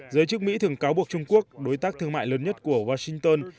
giới chức mỹ thường cáo buộc trung quốc đối tác thương mại lớn nhất của washington